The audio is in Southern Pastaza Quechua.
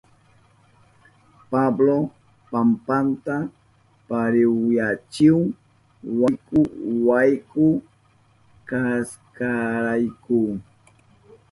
Pablo pampanta parihuyachihun wayku wayku kashkanrayku.